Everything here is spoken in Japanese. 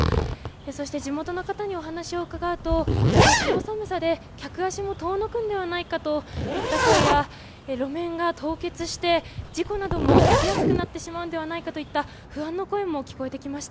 そして、地元の方にお話を伺うとこの寒さで客足も遠のくのではないかといった声や路面が凍結して事故なども起きやすくなってしまうのではないかといった不安の声も聞こえてきました。